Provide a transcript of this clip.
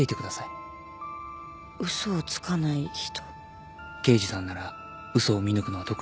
私は「嘘をつかない人」